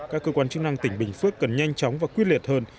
các cơ quan chức năng tỉnh bình phước cần nhanh chóng và quyết liệt hơn